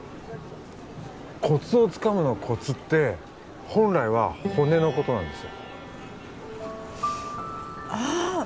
コツをつかむのコツって本来は骨のことなんですよああ